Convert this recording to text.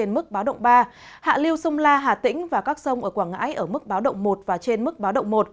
mông la hà tĩnh và các sông ở quảng ngãi ở mức báo động một và trên mức báo động một